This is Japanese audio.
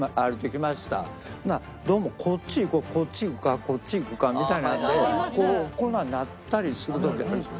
どうもこっちへ行こうこっち行くかこっち行くかみたいなのでこんなんなったりする時あるでしょ。